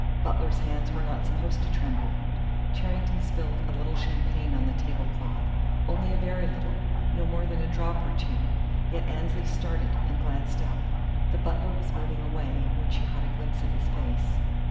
Butlers' hands were not supposed to tremble. Charrington spilled a little champagne on the tablecloth, only a very little, no more than a drop or two, yet Annesley started and glanced up. The butler was moving away when she caught a glimpse of his face.